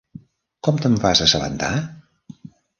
Com te'n vas assabentar?